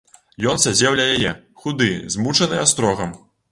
Ён сядзеў ля яе, худы, змучаны астрогам.